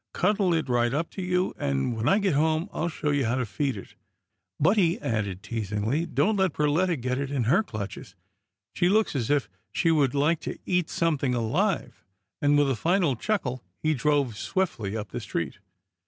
Cuddle it right up to you, and, when I get home, I'll show you how to feed it; but," he added teasingly, " don't let Perletta get it in her clutches. She looks as if she would like to eat something alive," and, with a final chuckle, he drove swiftly up the street.